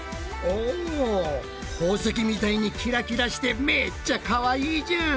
お宝石みたいにキラキラしてめっちゃかわいいじゃん！